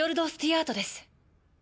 アートです。